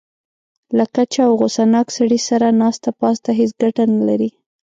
له کچه او غوسه ناک سړي سره ناسته پاسته هېڅ ګټه نه لري.